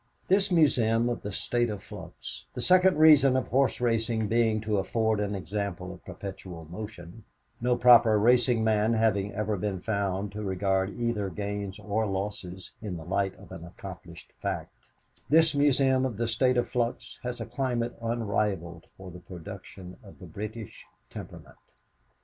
This museum of the state of flux the secret reason of horse racing being to afford an example of perpetual motion (no proper racing man having ever been found to regard either gains or losses in the light of an accomplished fact) this museum of the state of flux has a climate unrivalled for the production of the British temperament.